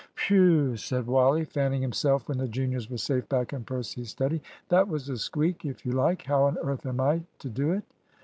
"Whew!" said Wally, fanning himself when the juniors were safe back in Percy's study. "That was a squeak, if you like. How on earth am I to do it?"